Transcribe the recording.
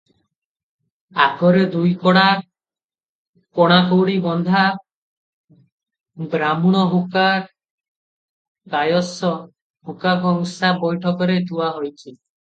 ଆଗରେ ଦୁଇକଡ଼ା କଣା କଉଡ଼ି ବନ୍ଧା ବ୍ରାହ୍ମୁଣ ହୁକା, କାୟସ୍ଥ ହୁକା କଂସା ବଇଠକରେ ଥୁଆ ହୋଇଛି ।